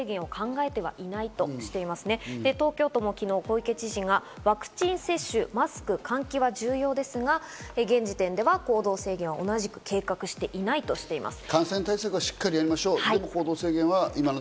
東京都も昨日、小池知事がワクチン接種、マスク、換気は重要ですが現時点では行動制限は同じく計画していないとしています。